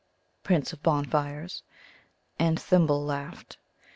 (Prince of Bonfires). And Thimble laughed.